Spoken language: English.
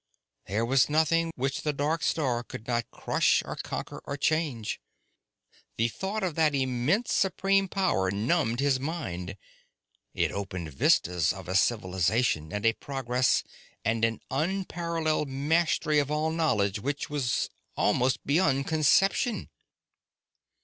There was nothing which the dark star could not crush or conquer or change. The thought of that immense, supreme power numbed his mind. It opened vistas of a civilization, and a progress, and an unparalleled mastery of all knowledge which was almost beyond conception.